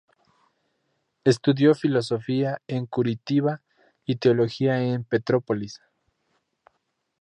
Estudió Filosofía en Curitiba y Teología en Petrópolis.